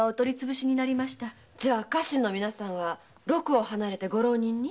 家臣の皆さんは禄を離れてご浪人に？